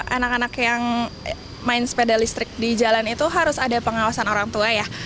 anak anak yang main sepeda listrik di jalan itu harus ada pengawasan orang tua ya